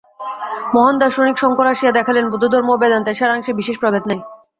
মহান দার্শনিক শঙ্কর আসিয়া দেখাইলেন, বৌদ্ধধর্ম ও বেদান্তের সারাংশে বিশেষ প্রভেদ নাই।